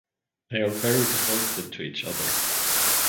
They are very devoted to each other.